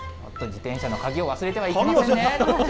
さあ、自転車の鍵を忘れてはいけませんね。